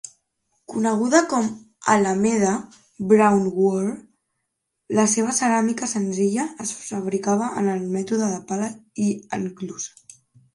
Coneguda com Alameda Brown Ware, la seva ceràmica senzilla es fabricava amb el mètode de pala i enclusa.